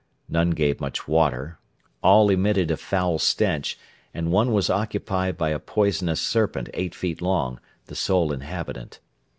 None gave much water; all emitted a foul stench, and one was occupied by a poisonous serpent eight feet long the sole inhabitant.